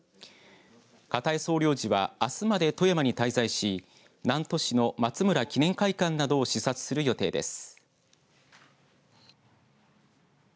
片江総領事はあすまで富山に滞在し南砺市の松村記念会館などを視察する予定です。